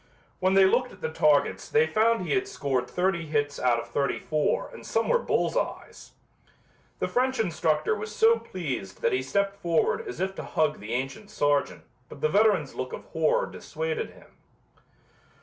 When they looked at the targets they found he had scored thirty hits out of thirty four and some were bull's eyes. The French instructor was so pleased that he stepped forward as if to hug the ancient sergeant but the veteran's look of horror dissuaded him.